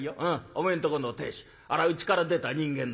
お前んとこの亭主あれはうちから出た人間だ。